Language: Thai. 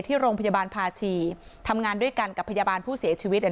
ที่โรงพยาบาลภาชีทำงานด้วยกันกับพยาบาลผู้เสียชีวิตเนี่ย